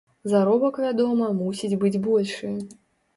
Заробак, вядома, мусіць быць большы.